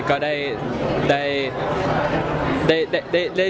ก็ได้เรียนรู้